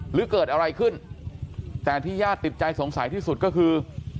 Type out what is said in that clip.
หรือเกิดอะไรขึ้นแต่ที่ญาติติดใจสงสัยที่สุดก็คือ